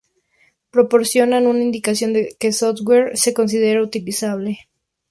proporcionan una indicación de qué software se considera utilizable